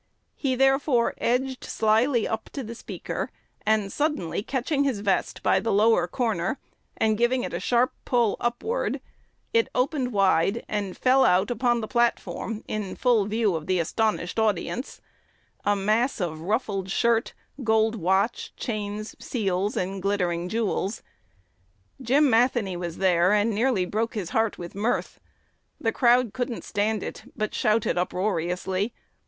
He therefore "edged" slyly up to the speaker, and suddenly catching his vest by the lower corner, and giving it a sharp pull upward, it opened wide, and out fell upon the platform, in full view of the astonished audience, a mass of ruffled shirt, gold watch, chains, seals, and glittering jewels. Jim Matheny was there, and nearly broke his heart with mirth. "The crowd couldn't stand it, but shouted uproariously."